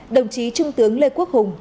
đồng chí trung tướng lê quốc hùng